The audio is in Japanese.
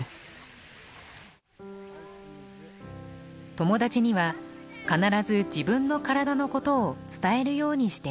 友達には必ず自分の体のことを伝えるようにしています。